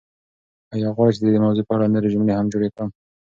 ایا غواړئ چې د دې موضوع په اړه نورې جملې هم جوړې کړم؟